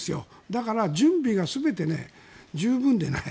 だから、準備が全て十分ではない。